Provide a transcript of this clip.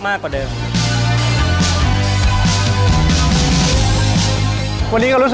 การแชร์ประสบการณ์